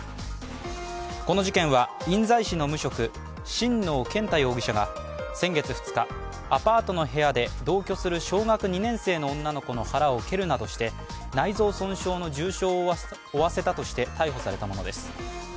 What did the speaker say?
この事件は印西市の無職、新納健太容疑者が先月２日、アパートの部屋で同居する小学２年生の女の子の腹を蹴るなどして内臓損傷の重傷を負わせたとして逮捕されたものです。